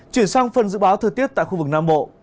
chuyển sang phần dự báo thời tiết tại khu vực nam bộ